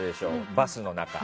バスの中に。